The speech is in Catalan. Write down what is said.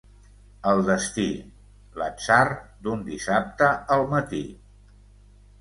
El destí, l'atzar d'un dissabte al matí.